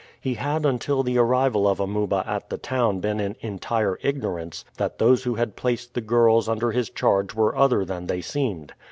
He had until the arrival of Amuba at the town been in entire ignorance that those who had placed the girls under his charge were other than they seemed.